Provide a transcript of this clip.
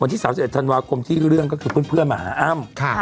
ที่๓๑ธันวาคมที่เรื่องก็คือเพื่อนมาหาอ้ำ